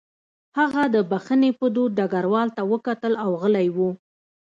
هغه د بښنې په دود ډګروال ته وکتل او غلی و